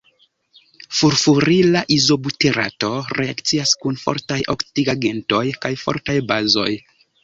Furfurila izobuterato reakcias kun fortaj oksidigagentoj kaj fortaj bazoj.